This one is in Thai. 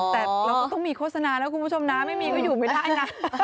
แต่เราก็ต้องมีโฆษณานะคุณผู้ชมนะไม่มีก็อยู่ไม่ได้นะ